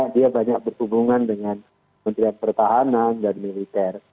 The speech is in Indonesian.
dia banyak berhubungan dengan kementerian pertahanan dan militer